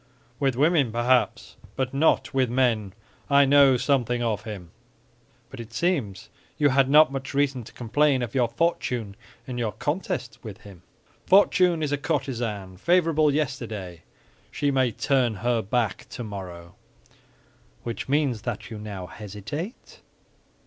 "With women, perhaps; but not with men. I know something of him." "But it seems you had not much reason to complain of your fortune in your contest with him." "Fortune is a courtesan; favorable yesterday, she may turn her back tomorrow." "Which means that you now hesitate?"